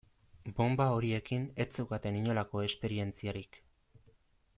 Bonba horiekin ez zeukaten inolako esperientziarik.